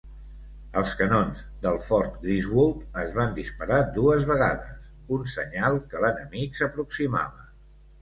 Els canons del Fort Griswold es van disparar dues vegades, un senyal que l'enemic s'aproximava.